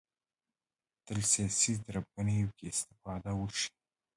تل سیاسي تربګنیو کې استفاده وشي